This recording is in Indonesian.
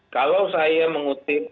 kalau saya mengutip